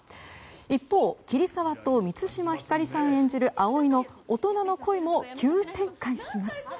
一方、桐沢と満島ひかりさん演じる葵の大人の恋も急展開します。